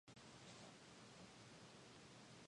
The album version fades earlier than this version.